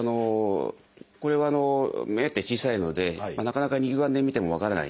これは目って小さいのでなかなか肉眼で見ても分からないんですね。